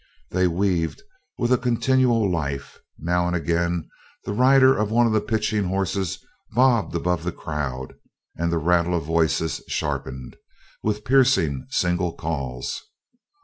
They weaved with a continual life; now and again the rider of one of the pitching horses bobbed above the crowd, and the rattle of voices sharpened, with piercing single calls.